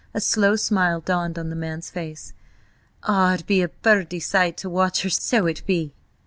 A slow smile dawned on the man's face. "Ah, it be a purty sight to watch her–so it be!"